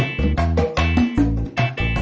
ini lagi dikerjain